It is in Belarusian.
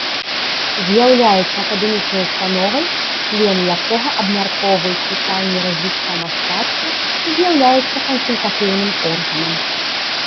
З'яўляецца акадэмічнай установай, члены якога абмяркоўваюць пытанні развіцця мастацтва і з'яўляецца кансультатыўным органам.